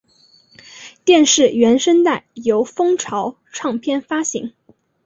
电视原声带由风潮唱片发行。